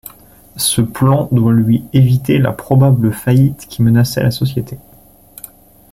Ce plan doit lui éviter la probable faillite qui menaçait la société.